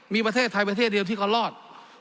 มีประเทศไทยประเทศเดียวที่เขารอด